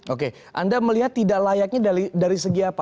oke anda melihat tidak layaknya dari segi apa